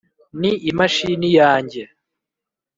ni imashini yanjye